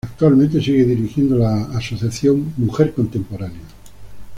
Actualmente sigue dirigiendo la Asociación Mujer Contemporánea.